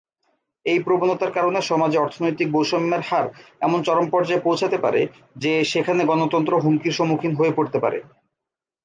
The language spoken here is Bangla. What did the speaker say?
এই প্রবণতার কারণে সমাজে অর্থনৈতিক বৈষম্যের হার এমন চরম পর্যায়ে পৌঁছাতে পারে, যে সেখানে গণতন্ত্র হুমকির সম্মুখীন হয়ে পড়তে পারে।